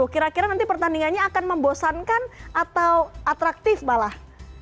kira kira nanti pertandingannya akan membosankan atau atraktif malah